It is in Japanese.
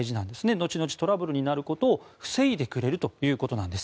後々トラブルになることを防いでくれるということです。